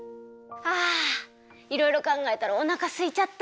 あいろいろかんがえたらおなかすいちゃた。